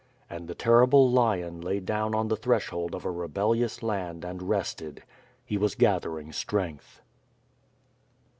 And the terrible lion lay down on the threshold of a re bellious land and rested. He was gathering strength.